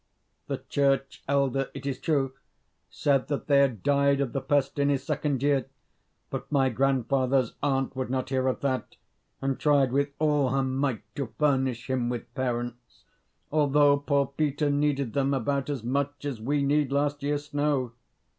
The church elder, it is true, said that they had died of the pest in his second year; but my grandfather's aunt would not hear of that, and tried with all her might to furnish him with parents, although poor Peter needed them about as much as we need last year's snow.